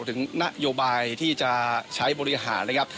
ถึงนโยบายที่จะใช้บริหารนะครับ